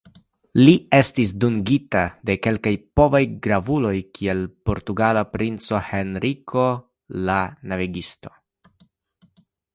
Li estis dungita de kelkaj povaj gravuloj kiel la portugala princo Henriko la Navigisto.